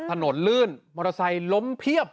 ถนนลื่นมอเตอร์ไซค์ล้มเพียบ